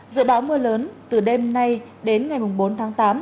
dự báo mưa lớn từ đêm nay đến ngày bốn tháng tám